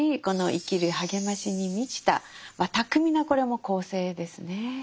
この生きる励ましに満ちた巧みなこれも構成ですね。